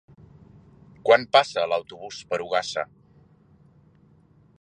Quan passa l'autobús per Ogassa?